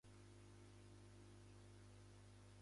新しいものを買う